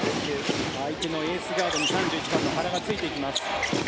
相手のエースガードに３１番の原がついていきます。